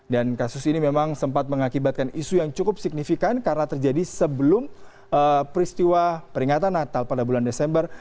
dan kasus ini memang sempat mengakibatkan isu yang cukup signifikan karena terjadi sebelum peristiwa peringatan natal pada bulan desember